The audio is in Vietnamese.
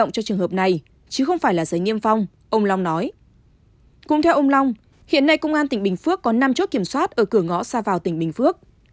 cũng theo ông long hiện nay công an tỉnh bình phước có năm chốt kiểm soát ở cửa ngõ xa vào tỉnh bình phước